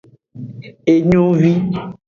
Engovi.